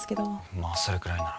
まあそれくらいなら。